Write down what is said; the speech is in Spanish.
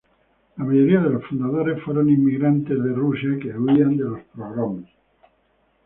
La mayoría de los fundadores fueron inmigrantes de Rusia que huían de los pogromos.